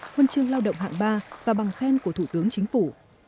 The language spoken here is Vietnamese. huân chương lao động hạng ba và bằng khen của thủ tướng chính phủ